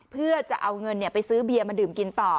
เพื่อจะเอาเงินไปซื้อเบียร์มาดื่มกินต่อ